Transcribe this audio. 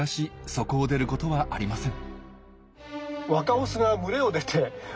そこを出ることはありません。